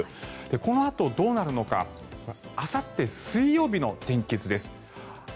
このあとどうなるのかあさって水曜日の天気図です。